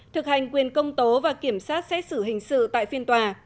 thực hành quyền công tố và kiểm sát xét xử hình sự tại phiên tòa